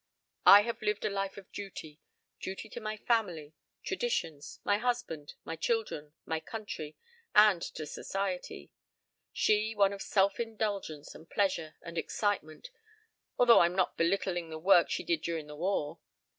I have lived a life of duty duty to my family traditions, my husband, my children, my country, and to Society: she one of self indulgence and pleasure and excitement, although I'm not belittling the work she did during the war.